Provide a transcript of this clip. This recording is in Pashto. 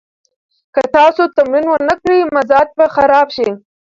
که تاسو تمرین ونه کړئ، مزاج به خراب شي.